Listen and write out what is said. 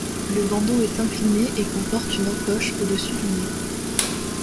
Le bandeau est incliné et comporte une encoche au-dessus du nez.